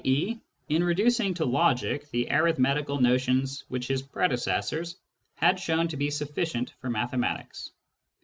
e. in reducing to logic the arithmetical notions which his predecessors had shown to be sufficient for mathematics.